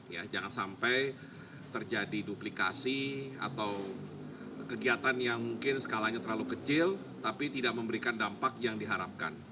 ya jangan sampai terjadi duplikasi atau kegiatan yang mungkin skalanya terlalu kecil tapi tidak memberikan dampak yang diharapkan